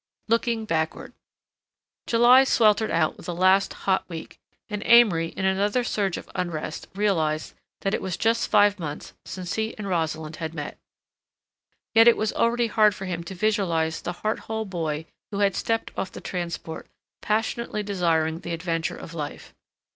LOOKING BACKWARD July sweltered out with a last hot week, and Amory in another surge of unrest realized that it was just five months since he and Rosalind had met. Yet it was already hard for him to visualize the heart whole boy who had stepped off the transport, passionately desiring the adventure of life.